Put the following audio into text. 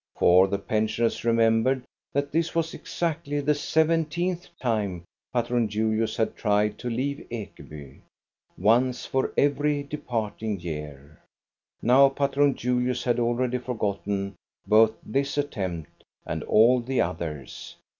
For the pen sioners remembered that this was exactly the seven teenth time Patron Julius had tried to leave Ekeby, once for every departing year. Now Patron Julius had already forgotten both this attempt and all the others.